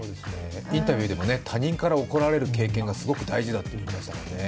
インタビューでも他人から怒られる経験がすごく大事だと言っていましたもんね。